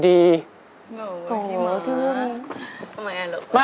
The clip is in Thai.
โอ้วที่เมาท์